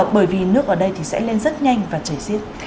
bởi vì nước ở đây thì sẽ lên rất nhanh và chảy xiết